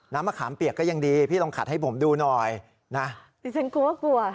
มะขามเปียกก็ยังดีพี่ลองขัดให้ผมดูหน่อยนะดิฉันกลัวกลัว